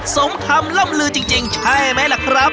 สมคำร่ำลือจริงท์จริงใช่ไหมละครับ